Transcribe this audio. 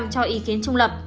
một mươi ba cho ý kiến trung lập